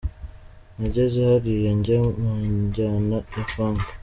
Nageze hariya njya mu njyana ya Funk.